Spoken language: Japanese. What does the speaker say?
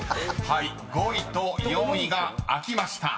［５位と４位が開きました］